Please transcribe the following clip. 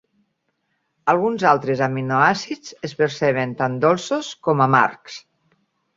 Alguns altres aminoàcids es perceben tant dolços com amargs.